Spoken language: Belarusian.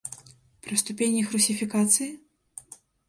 Пра ступень іх русіфікацыі?